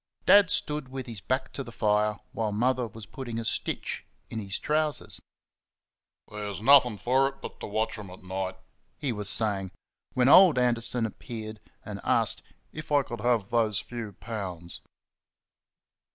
Dad stood with his back to the fire while Mother was putting a stitch in his trousers. "There's nothing for it but to watch them at night," he was saying, when old Anderson appeared and asked "if I could have those few pounds."